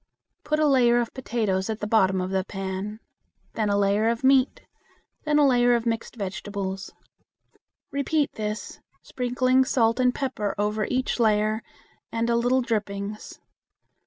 Put a layer of potatoes at bottom of the pan, then a layer of meat, then a layer of mixed vegetables. Repeat this, sprinkling salt and pepper over each layer and a little drippings.